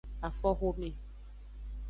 Afoxome.